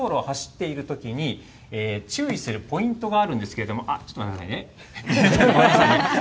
そして、高速道路を走っているときに、注意するポイントがあるんですけれども、ちょっと待ってくださいね。